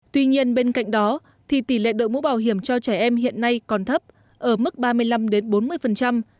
tuy nhiên bên cạnh đó thì tỷ lệ đội mũ bảo hiểm cho trẻ em hiện nay còn thấp ở mức ba mươi năm đến bốn mươi